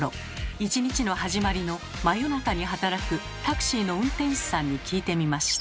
１日の始まりの真夜中に働くタクシーの運転手さんに聞いてみました。